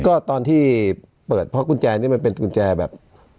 ก็ตอนที่เปิดเพราะกุญแจนี่มันเป็นกุญแจแบบ